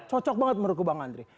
cocok banget menurutku bang andri